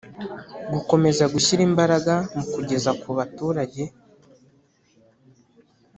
Gukomeza gushyira imbaraga mu kugeza ku baturage